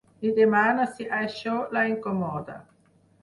Li demano si això la incomoda.